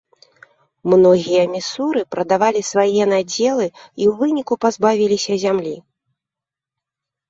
Многія місуры прадавалі свае надзелы і ў выніку пазбавіліся зямлі.